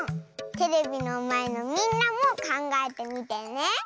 テレビのまえのみんなもかんがえてみてね。